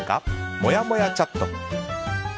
もやもやチャット。